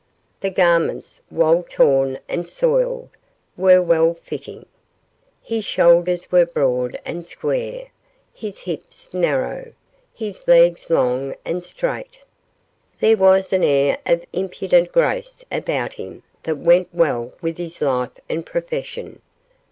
The garments, while torn and soiled, were well fitting. His shoulders were broad and square, his hips narrow, his legs long and straight. There was an air of impudent grace about him that went well with his life and profession.